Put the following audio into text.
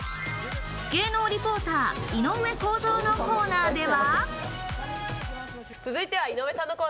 芸能リポーター・井上公造のコーナーでは。